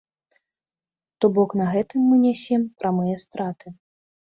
То бок на гэтым мы нясем прамыя страты.